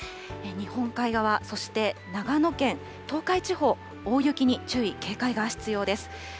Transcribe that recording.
日本海側、そして長野県、東海地方、大雪に注意、警戒が必要です。